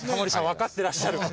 わかってらっしゃる！